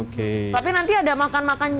oke tapi nanti ada makan makan